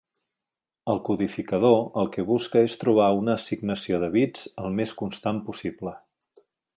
El codificador el que busca és trobar una assignació de bits el més constant possible.